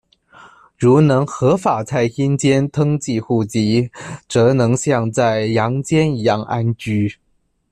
如能合法在阴间登记户籍，则能像在阳间一样安居。